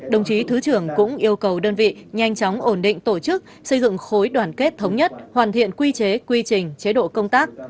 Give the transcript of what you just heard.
đồng chí thứ trưởng cũng yêu cầu đơn vị nhanh chóng ổn định tổ chức xây dựng khối đoàn kết thống nhất hoàn thiện quy chế quy trình chế độ công tác